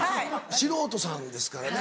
素人さんですからね。